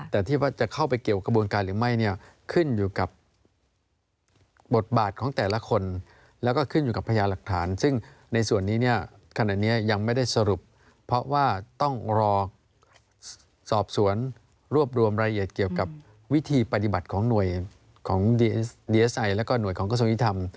แต่ที่ว่าจะเข้าไปเกี่ยวกระบวนการหรือไม่เนี่ยขึ้นอยู่กับบทบาทของแต่ละคนแล้วก็ขึ้นอยู่กับพญาหลักฐานซึ่งในส่วนนี้เนี่ยขณะนี้ยังไม่ได้สรุปเพราะว่าต้องรอสอบสวนรวบรวมรายละเอียดเกี่ยวกับวิธีปฏิบัติของหน่วยของดีเอสไอแล้วก็หน่วยของกระทรวงยุทธรรม